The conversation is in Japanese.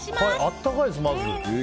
温かいです、まず。